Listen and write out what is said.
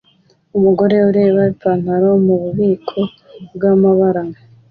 Umugore ureba ipantaro mububiko bwamabara